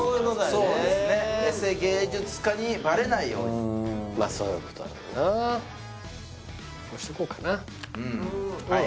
そうですねエセ芸術家にバレないようにまあそういうことだろうなこうしとこうかなうんはい